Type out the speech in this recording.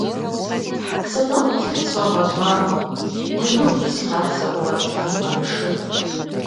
Сыноплъри согъэщӀагъуэ: дэнэ укъисхат сэ уэ цӀыхугъэншэр?